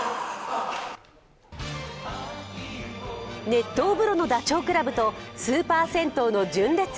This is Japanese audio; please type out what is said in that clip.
熱湯風呂のダチョウ倶楽部とスーパー銭湯の純烈。